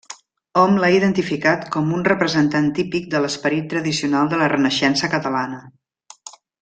Hom l'ha identificat com un representant típic de l'esperit tradicional de la Renaixença catalana.